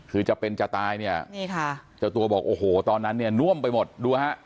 คือจะเป็นจะตายเนี่ยนี่ค่ะเจ้าตัวบอกโอ้โหตอนนั้นเนี่ยน่วมไปหมดดูฮะ